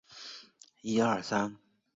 沼鼠耳蝠为蝙蝠科鼠耳蝠属的动物。